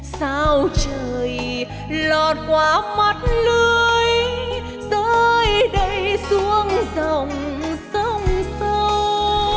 sao trời lọt qua mắt lưới rơi đầy xuống dòng sông sâu